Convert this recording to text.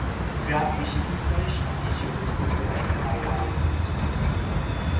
গ্রামে এসে নিজ বাড়ির সামনে এসে উপস্থিত হয়ে দেখে বাড়িতে আগের কোন চিহ্ন নেই।